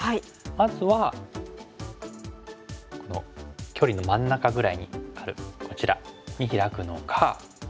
まずは距離の真ん中ぐらいにあるこちらにヒラくのか。